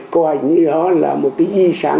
coi như đó là một cái di sản